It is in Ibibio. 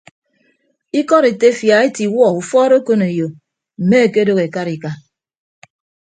Ikọd etefia ete iwuọ ufuọd okoneyo mme ekedooho ekarika.